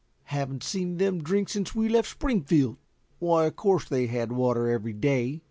"Haven't seen them drink since we left Springfield." "Why, of course they have had water every day.